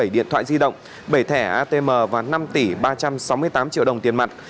bảy điện thoại di động bảy thẻ atm và năm tỷ ba trăm sáu mươi tám triệu đồng tiền mặt